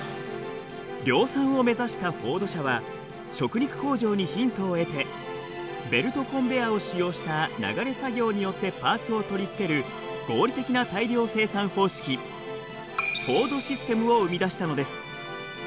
量産を目指したフォード社は食肉工場にヒントを得てベルトコンベヤーを使用した流れ作業によってパーツを取り付ける合理的な大量生産方式フォードシステムを生み出したのです。